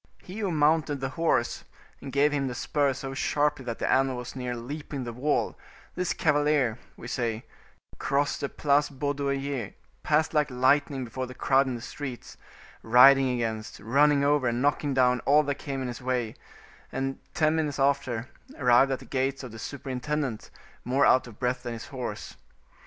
He who mounted the horse, and gave him the spur so sharply that the animal was near leaping the wall, this cavalier, we say, crossed the Place Baudoyer, passed like lightening before the crowd in the streets, riding against, running over and knocking down all that came in his way, and, ten minutes after, arrived at the gates of the superintendent, more out of breath than his horse.